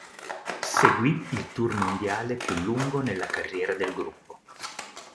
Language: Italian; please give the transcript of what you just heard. Seguì il tour mondiale più lungo nella carriera del gruppo.